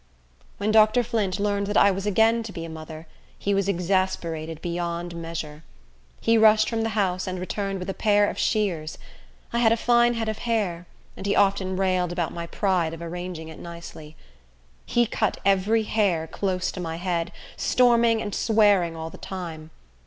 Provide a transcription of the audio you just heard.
When Dr. Flint learned that I was again to be a mother, he was exasperated beyond measure. He rushed from the house, and returned with a pair of shears. I had a fine head of hair; and he often railed about my pride of arranging it nicely. He cut every hair close to my head, storming and swearing all the time.